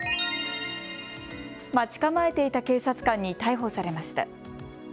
待ち構えていた警察官に逮捕されました。